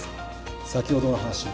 先ほどの話